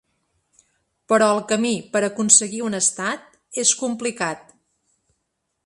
Però el camí per a aconseguir un estat és complicat.